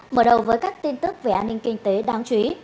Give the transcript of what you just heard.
mở đầu với các tin tức về an ninh kinh tế đáng chú ý